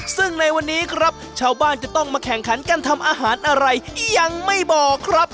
ซึ่งในวันนี้ครับชาวบ้านจะต้องมาแข่งขันกันทำอาหารอะไรยังไม่บอกครับ